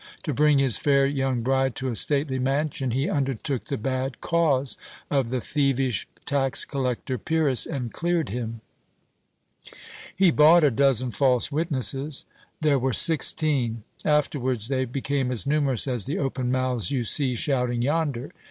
To bring his fair young bride to a stately mansion, he undertook the bad cause of the thievish tax collector Pyrrhus, and cleared him." "He bought a dozen false witnesses." "There were sixteen. Afterwards they became as numerous as the open mouths you see shouting yonder.